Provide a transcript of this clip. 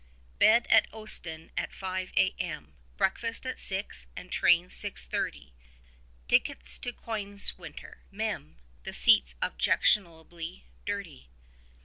Bed at Ostend at 5 a.m. Breakfast at 6, and train 6.30, Tickets to Königswinter (mem. The seats objectionably dirty).